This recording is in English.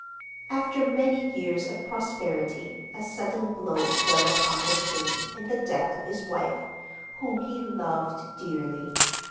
After many years of prosperity a sudden blow fell upon the king in the death of his wife, whom he loved dearly.